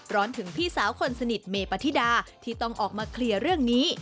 ถึงพี่สาวคนสนิทเมปฏิดาที่ต้องออกมาเคลียร์เรื่องนี้